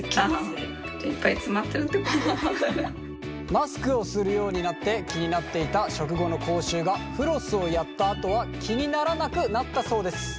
マスクをするようになって気になっていた食後の口臭がフロスをやったあとは気にならなくなったそうです。